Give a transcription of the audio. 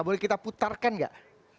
boleh kita putarkan gak